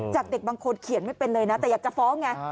จากเด็กบางคนเขียนไม่เป็นเลยนะแต่อยากจะฟ้องไง